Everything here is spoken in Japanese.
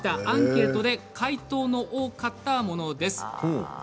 アンケートで回答の多かったものです。